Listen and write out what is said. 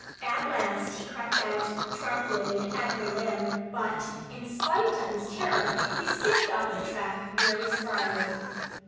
At last he crept out, trembling in every limb. But in spite of his terror he skipped off the track very spryly.